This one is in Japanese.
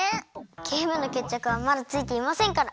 ゲームのけっちゃくはまだついていませんから。